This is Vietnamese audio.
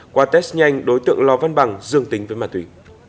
qua test nhanh đối tượng lò văn bằng dương tính với ma túy